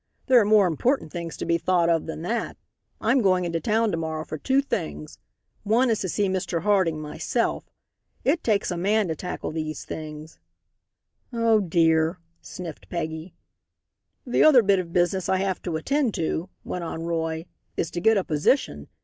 There are more important things to be thought of than that. I'm going into town to morrow for two things. One is to see Mr. Harding myself. It takes a man to tackle these things " "Oh, dear!" sniffed Peggy. "The other bit of business I have to attend to," went on Roy, "is to get a position.